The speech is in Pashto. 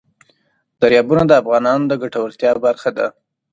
دریابونه د افغانانو د ګټورتیا برخه ده.